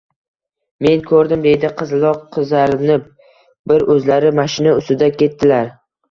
— Men ko‘rdim, — deydi qizaloq qizarinib. — Bir o‘zlari mashina ustida ketdilar…